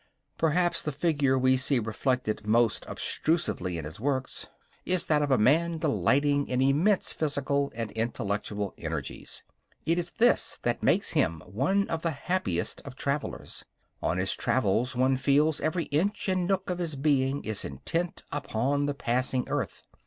Perhaps the figure we see reflected most obtrusively in his works is that of a man delighting in immense physical and intellectual energies. It is this that makes him one of the happiest of travellers. On his travels, one feels, every inch and nook of his being is intent upon the passing earth.